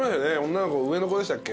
女の子上の子でしたっけ？